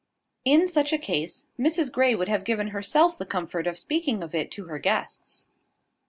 In such a case, Mrs Grey would have given herself the comfort of speaking of it to her guests.